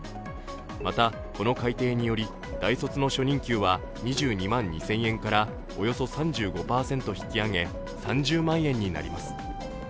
また、この改定により大卒の初任給は２２万２０００円からおよそ３５％引き上げ３０万円になります。